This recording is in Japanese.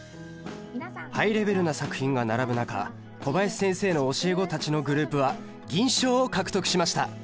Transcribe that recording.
ハイレベルな作品が並ぶ中小林先生の教え子たちのグループは銀賞を獲得しました！